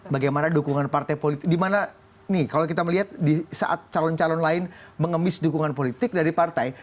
bagaimana dukungan partai politik dimana nih kalau kita melihat di saat calon calon lain mengemis dukungan politik dari partai